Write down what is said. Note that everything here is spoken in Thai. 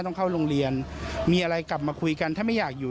ต้องเข้าโรงเรียนมีอะไรกลับมาคุยกันถ้าไม่อยากอยู่